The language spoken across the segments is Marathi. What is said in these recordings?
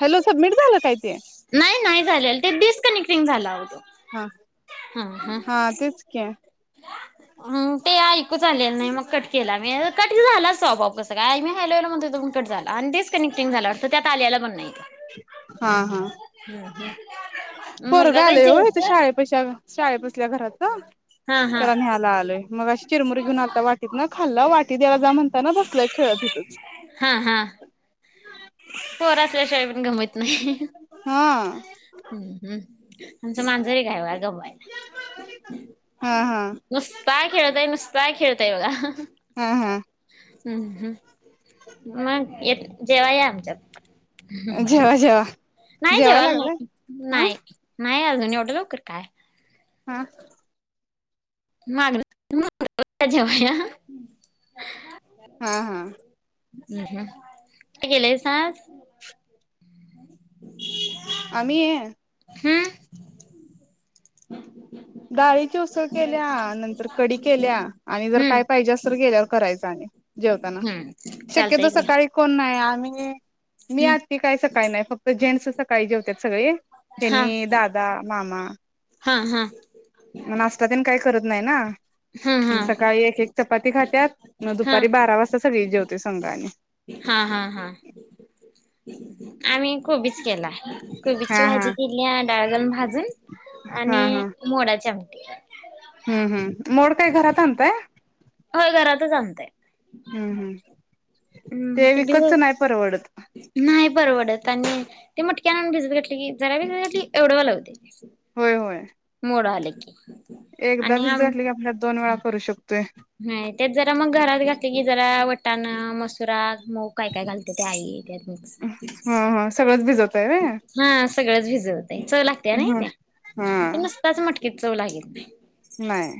हॅलो सबमिट झालं काय ते नाही नाही झालेल. ते डिसकनेक टिंग झाला आओ तो. हा, हा तेच कि. हम ते ऐकूच आलेलं नाही, मग कट केला मी ठी झाला स्वभाव कसा काय मी ह्यालो हॅलो म्हणतोय ट झाला आणि दिस कनेक्टिंग झाला असत, त्या आल्याला पण नाही?. हा हा तो. मुलगा पोरगं काय आलेय होय इथं जेवतोय? शाळेपशी, शाळेपसल्या घरातं. हा हा त्याला न्ह्याला आलोय. मगाअशी चिरमुरी घेऊन आलता वाटीत नं, खाल्ला वाटी दयाला जा म्हणताना बसलाय खेळत हिथचं. हा हा पोरं असल्याशिवाय पण गमत नाही हा हम्म हम्! आमचं मांजर एक हाय वा वाय. हा हा नुस्ता खेळतंय, नुस काय खेळतंय बघा. हा-हा हम् हम्! मग येत जेवाय या आमच्यात. जेवा, जेवा. नाही जेवाय जेवालो लागलाय नाही. हा नाही. नाही अजून एवढ्या लवकर काय हां. [inaudible] हां हां. हम्म हम्म [unintelligible] आम्ही? हम्म. डाळीची उसळ केल्या नंतर कडी केल्या आणि जर हम्म काय पाहिजे अस तर गेल्यावर करायच आणि जेवताना हम्म शक्यतो चालतंय घ्या सकाळी कोण नाही गे मी हम्म आत्ती काय सकाळी नाही फक्त जेंट्स सकाळी जेवतात सगळे हेनी दादा मामा हां हां नाश्ता काय करत नाही ना हा मग हा सकाळी एक एक चपाती खात्यात मग हा दुपारी बारा वाजता सगळी जेवते संघा आणि हा हा हा आम्ही कोबीच त्याला कोबीची हा भाजी केली आज कालवण भात हमम हा आणि हा मोडाच्या [unintelligible] हम्म हम्म मोड काय घरात आणताय. होय घरातच आणतय. हमम हमम हमम ते दिव नाही परवडत आणि ते मटक कॅन भिजत घातली की जरा भिज एवढा वेळ लावते होय होय मोड आले खट्ट एकदा भिजत घातली की आपल्या दोन वेळा करू शकतोय भिजत घातली की जरा वटाण मस [unintelligible] मग काय काय घालते ते आई त्यात मस हा हा सगळंच भिजवताय व्हय हा सगळंच भिजवतय चव लागते नाही हा हा त्या नुसताच मटकीत चव लागेल नाय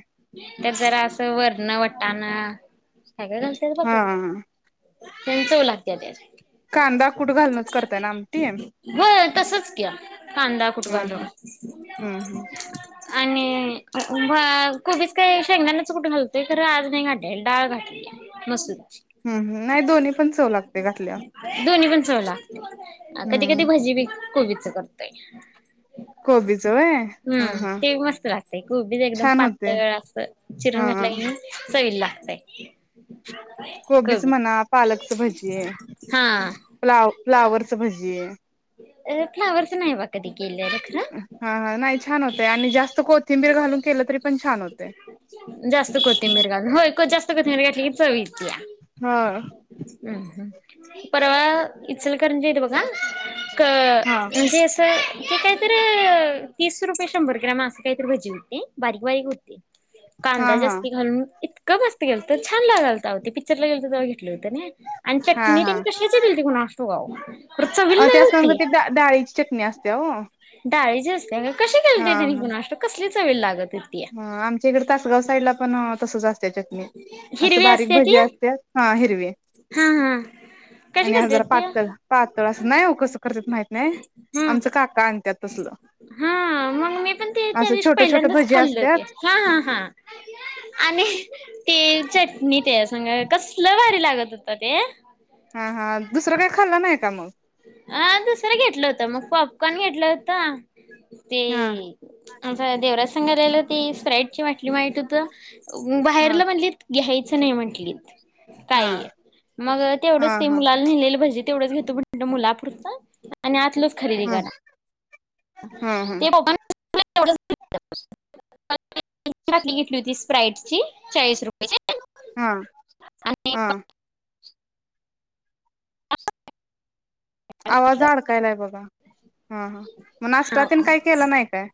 तर जरा असं वरन वटाण सगळ घालतेस हा बापारू त्यांन चव लागते त्यात कांदा कुट घालूनच करताय ना आमटी हमम होय तसच की कांदा कुट घालून हमम हमम हमम अ ए कोबीच काही शेंगदाण्याच कुट घालतोय खर आज नाही घातले डाळ घातली मसुर हमम हम नाही दोन्ही पण चव लागते घातल्यावर [unintelligible] कधी कधी हम्म भाजी बी कोबीच करतेय कोबीच व्हय हा हमम हा ते मस्त घातलय कोबीच एकदम छान होते पातळ अस हा चिरून घातलय का नाही सईल लागतय कोणय ग ताई कोबीच कवी म्हणा पालकच भजीये फला फ्लावरच भजीये अ फ्लावरच नाई वा कदी हा हा नाही छान होतय आणि जास्त कोण थिंबीर घालून केलं तरी पण छान होते कत जास्तली चवी हो हा म् ह परवा इ करजव का क हा म्हणजे असं ते काहीतरी तीस रुपये शंभर ग्रॅम असत काहीत भजी होते बारीक बारीक होते कांदा हा जास्ती घालून इत क मस्त गेल तर छान लाालता होते पिक्चरला गे तर तेव घेतले होते आणि हा चटणी हा त्यां कश गतीणा असतो गा अ त्या संग चविलती ते डाळीची चटणी असते हो हा डाळीची अस का कशीलते त्यांनी गुणाष्ट कसलीच वेळ लागत होती. ह आमच्या इकडे तासगाव साईड ला पण तसंच अस चटणी असं हिरवी बारीक असत्या ती भज्या असत हा हिरवी हा हा कशी आणि ह करत्यात जरा ती पातळ पातळ असं नाही हो कसं करत माहित नाही हम्म. आमच काका आणतात हा मग मी पण ते त्या असं दिवशी छोटं छोटं पहिल्यांदाच भजी खाल्लो असत्यात हा हा हा आणि ते चटणी ते सांगा कसलं वारी लागत होता ते हा हा दुसरं काही खाल्लं नाही का मग ह सर घ होत मग पॉपकॉन घेत होत ते हा आ देवरा संंगाललेला ती स्प्राट ची वाटली माहित होत हा बाहेरला म्हंलीत घ्यायचं नाही म्हंटलीत हा काय मग हा तेवढंच ते हा मुलाला नलेलं भजी तेवढच घेतो मुलापुरत आणि आतलं खरेदी हा कर हा हा टली घेतली होती स्प्राईट ची चाळीस रुपयेची हा हम आवाज अडकायलाय बघा हा हा मग आष्टातीन नाश्ता काही केलं नाही काय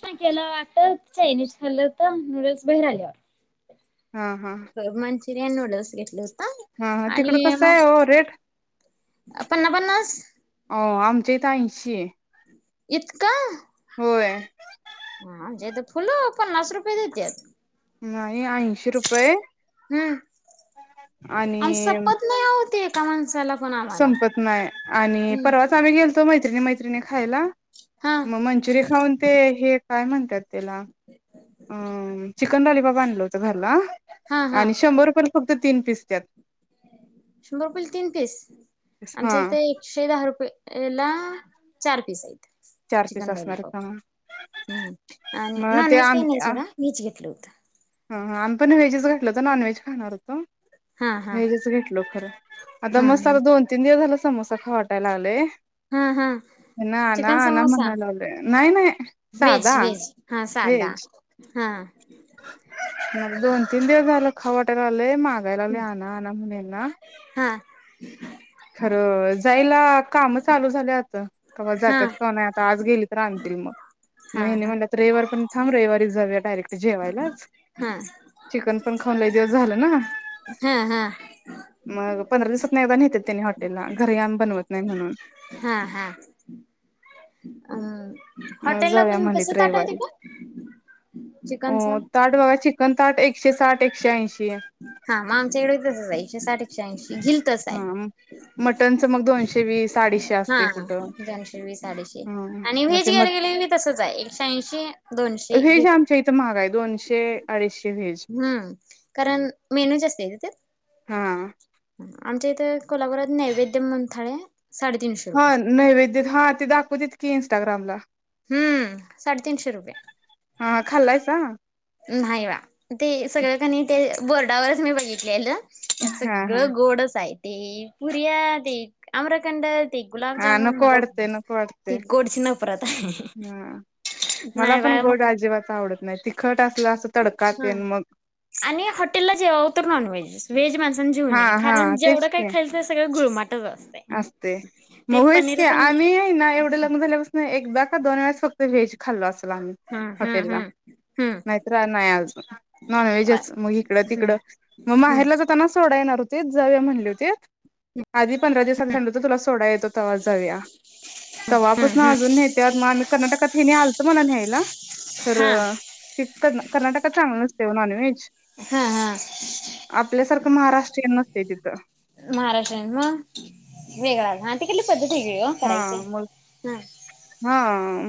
शना केला वाटत चायनीज खाल्ल तर नूडल्स बाहेर आल्यावर हा हा चिरयन नूडल्स घेतले हा हा तिकड कसं आहे हो रेट पन्ना पन्नास हो आमचे त ऐंशी इत का होय हा जे तर फुलं पन्नास रुपये देते नाही ऐंशी रुपये हम्म आणि काण झाला संपत नाही आणि परवाच आम्ही गेल हो मायत मा खायला हा मग मंचुि खाऊन ते काय म्हणतात त्याला बनलवतो झारला हा आणि शंभर रुपये फक्त तीन पीस त्यात सुंदरपल ती पिस हा आमच्या इथे एकशे दहा रुपये एला चार पीस यत चार पीस चिकन असणार हा लॉलीपॉप हम्म आणि मग नॉन ते व्हेज काही आम नाही सगडा वीच घेतलं होतं ह आणि पण व्हेजच घातलं हो तर नॉन व्हेज खाणार होतो हा हा हेजच घेतल खरं आता हम्म हम्म मसाला दोन तीन दिवस झाला समोसा खावाटयलागलेय हा हा चिकन समोसा म्हणायला लागलोय नाही नाही वेज साधा वेज हा सादा व्हेज हा [inaudible] मग दोन तीन दिवस झालं खवटेला आले माग यलाले आ ना आ नमुन ना ह हा खरं, जायला कामं चालू झाल्यात. त कवा जात्यात कवा नाही आता आज गेली तर आणतील म. म हा हा हेनी म्हणल्या त हा रविवार पण थांब रविवारी जाऊया डायरेक्ट जेवायलाच. चिकन पण खाऊन लई दिवस झालं ना. हा हा मग पंधरा दिवसातनं एगदा न्हेत्यात तेनी हॉटेलला. घरी आमी बनवत नाही म्हणून. हा हा अ अं हॉटेलला जव्या पण म्हणलीत कसं ताट आहे रविवारी. तिकडं चिकनचा अं ताट बघा चिकन न् ताट एकशे साठ एकशे ऐंशी. हां, म आमच्या कडे तसंच आय एकशे साठ एकशे ऐंशी. गिल तसं आय. तेवीसाडीशे असते कुटं. ची गेली गेली नी तसंच आय, एकशे ऐंशी दोनशे घेत तशे आडीश हम्म, कारण मेनू जास्त आय गं त्यात? हा आमच्या इथे कोल्हापुरात नैवेद्य मंथळ आय हां, नैवेद्यत हां ते दाखवत्यातकी. टाग्राम ला हम्, साडेतीनशे रुपये. हा खाल्लायसा न्हाई वा, ते सगळकनी ते बोर्डावरच मी बघितलेलं त्यात हा हा सगळं गोडच आहे. ते पुरीया, ते आम्रखंड. ते हां गुलाबजामुन नको मला वाटतंय नको वाटते. ते गोडची नफरत आहे हां, मला नाही पण बा गोड अजिबात आवडत नाही तिखट असलं असं तडका हां, तेन मग आणि हॉटेलला जेवाव तर नॉन व्हेज. वेज मज जेऊ हा नये हा कारण जेवढ तेच काय की खाईल ते सगळं गुळमाट. असते, मग होयस पनीर की पण आम्ही हे ना एवढं लग्न झाल्यापास्नं एक कदा का दोन वेळाज् फक्त वहेज खाल्लं अस् रांग हा हा हा हटेलला हम्म नाहीत्रा नाही आजू अ नॉनव्हेजच मग हिकडं हम्म तिकड म हम्म बाहेरला जातना तोडायेणार होतीत, जवूया म्हणली होतीत. आदिप् [unintelligible] तूला सोडाय येतो तवा जाऊया. तवापस्नं आजून न्हेत्यात. मी आमी कर्नाटकात कनी आलतं मला न्ह्यायला. हा तीडं की कर्न कर्नाटकाचं चांगल् नस्तय ओ नॉनव्हेज. हां-हां आपल्यासारखं महाराष्ट्रीयन नसतंय तिथं महाराष्ट्र म वेगळा हा तिकडली पद्धत वेगळी हो हा करायची मु हा हा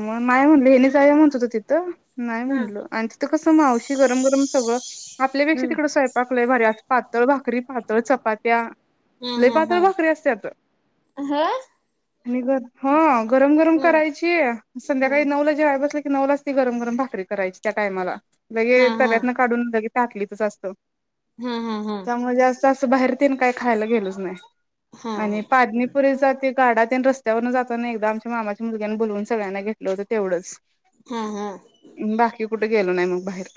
मग माय म्हणल लय जाय म्हणत होत तिथं नाही हा म्हणल आणि तिथं कसं मावशी गरम गरम सगळं आपल्यापेक्षा तिकड हम्म स्वयंपाक लय भारी अस पातळ भाकरी पातळ चपात्या हा लय हा पातळ हा भाकरी असत्यात आणि बघ हा गरम गरम हम्म करायची हा संध्याकाळी नऊला जेवाय बसल नवलाच ती गरम गरम भाकरी करायची त्या टायमाला हा लगे तव्यातन काढून लगे ताटलीचच असतं. हा हा हा त्यामुळ जास्त असं बाहेर तेन काय खायला गेलोच नाय. आणि पादणीपुरीे जातीत गाडा तेन रस्त्यावरून जाताना एकदा आमच्या मामाच्या मुलग्यानी बोलवून सगळ्यांना घेतलं होतं तेवढंच हा हा कुठ गेलो नाय मग बाहेर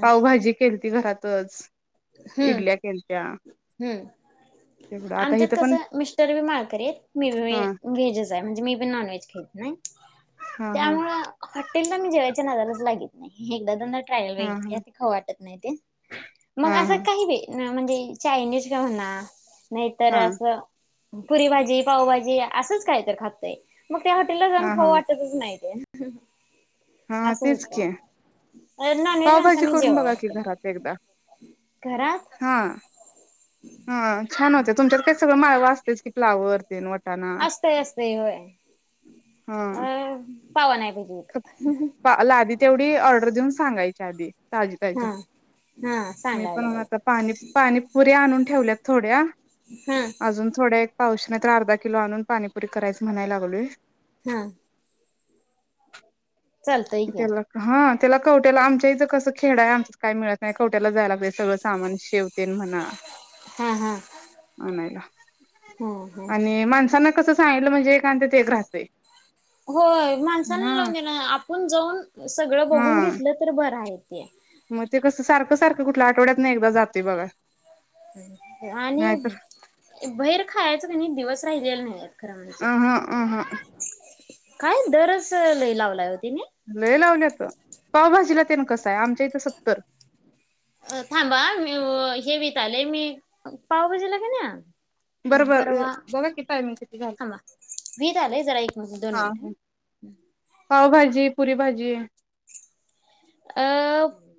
पावभाजी केलती घरात तच हूं हूं तेवढं आता आमच्यात इथं कस पण मिस्टर बी मा ळकरी येत मी हा व्हेज आहे म्हणजे मी पण नॉन व्हेज खाईत नाय. हा हा त्यामुळ हॉटेलला म्हणजे जायच्या नादालाच लागित नाय एकदा दोनदा ट्रायल हा बघितली या हा ती खावू वाटत नाय ते मग हा असं काही बी म्हणजे चायनीज का म्हणा नाहीतर हा असं पुरी भाजी, पावभाजी असंच काय तर खातंय. मग त्या हॉटेलला जाऊन हा खाऊं हा वाटतच नाय ते हम हा तेच की नॉनव्हेज पावभाजी माणसानी करून जेवावं बघा की हॉटेलला. घरात एकदा घरात? हा हा छान होत्या तुमच्यात काही सगळं माळ वात की फ्लावर तेन वटाणा असतय असतय होय अ पावा ना ला आधी तेवढी ऑर्डर देऊन सांगायची च्याचादी ताजी ताजी हा. हा मी सांगायला पण आता पाहिजे पाणी पाणी पुरी्या आणून ठेवल्यात थोड्या हा अजून थोड्या पाऊस नाही तर अर्धा किलो आणून पाणीपुरी करायच म्हणायला लागलोय हम की इथेला का हा त्याला कवट्याला आमच्याहीचं कसं खेड आहे आमच काय मिळत नाही कवट्याला जायलाहिजे सगळं सामान शेव तन म्हणा हा हा. म्हणायला हा हा. आणि माणसाांना कसं सांगलं म्हणजेां ते ग्रास आहे हो माणसांना लोन देण जाऊन सगळ बघून हा घेत तर ब येत मग ते कसं सारखं सारखं कुठल्या आठवड्यात नाही एकदा जातय बघा आणि नाहीतर बाहेर खायचं का नाही दिवस राहिलेला नाही खरं म्हणज अहं अहं काय दरच ल लावलाय होतीिने लय लावल्यात पावभाजीला ते ना कसं आहे आमच्या इथं सत्तर अ थांबा मी हेवीत आलेय मी पावबाजीला का ना ह बरोबर परवा बघा की टायमिंग किती झालं हां वीज आलंय जरा एक मिट दोन हा मिनिट ह पावभाजी पुरी भाजी अ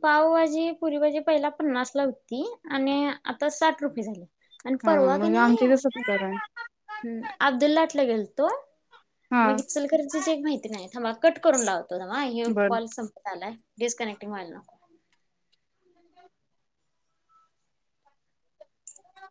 पावभाजी पुरी भाजी पहिला पन्नास ला होती आणि आता साठ रुपये झाले आणि हा परवा क मग नाही आमच्या इथे सत्तर आहे. ह् अब्दल लाटला गेलत तो हा मग इचलकरची जे एक माहिती नाही थांबा कट करून लावत हे बर. कॉल संपता आलाय डिस्कनक्टिंग माहिल ना